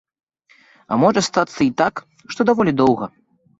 А можа стацца і так, што даволі доўга.